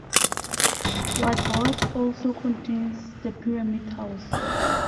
Wadsworth also contains the pyramid house.